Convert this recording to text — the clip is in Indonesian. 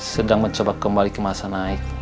sedang mencoba kembali ke masa naik